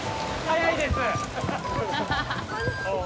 速いです！